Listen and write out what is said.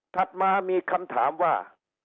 ถัดมามีคำถามว่า